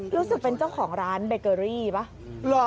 รู้สึกเป็นเจ้าของร้านเบเกอรี่ป่ะ